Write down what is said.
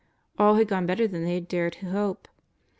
All had gone better than they had dared to hope.